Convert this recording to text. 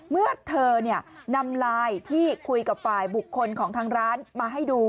เมื่อเธอนำไลน์ที่คุยกับฝ่ายบุคคลของทางร้านมาให้ดู